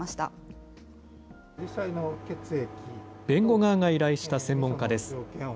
弁護側が依頼した専門家です。